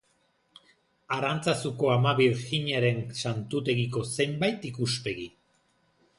Arantzazuko Ama Birjinaren Santutegiko zenbait ikuspegi.